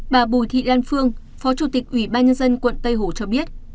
bà bùi thị lan phương phó chủ tịch ủy ban nhân dân quận tây hồ cho biết